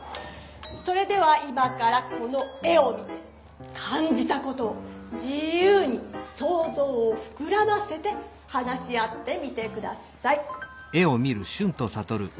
それでは今からこの絵を見てかんじたことを自ゆうにそうぞうをふくらませて話し合ってみて下さい。